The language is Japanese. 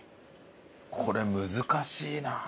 これ難しいな。